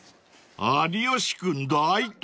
［有吉君大胆！］